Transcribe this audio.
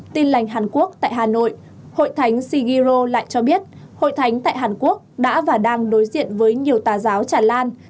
tin lành hàn quốc tại hà nội hội thánh shigiro lại cho biết hội thánh tại hàn quốc đã và đang đối diện với nhiều tà giáo tràn lan